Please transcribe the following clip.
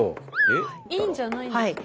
いいんじゃないんですか？